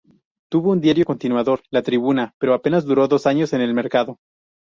Tuvo un diario continuador: "La Tribuna", pero apenas duró dos años en el mercado.